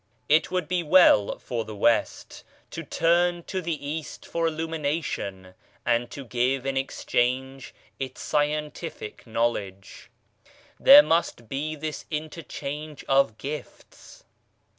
It would be well for the West to turn to the East for illumination, and to give in exchange its scientific knowledge. There must be this interchange of gifts.